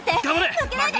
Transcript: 負けないで！